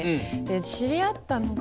知り合ったのが。